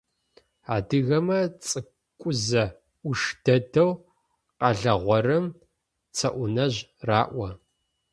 Адыгэмэ цӏыкӏузэ ӏуш дэдэу къэлъагъорэм Цэӏунэжъ раӏо.